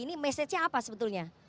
ini message nya apa sebetulnya